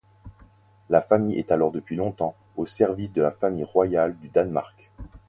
La famille est alors depuis longtemps au service de la famille royale du Danemark.